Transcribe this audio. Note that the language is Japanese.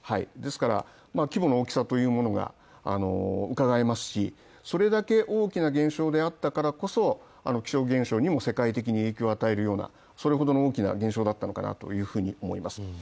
ですから規模の大きさというものがうかがえますし、それだけ大きな現象であったからこそ、気象現象にも世界的に影響を与えるような大きな現象だったのかなと思います。